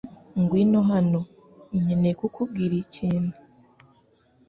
Ngwino hano .Nkeneye kukubwira ikintu .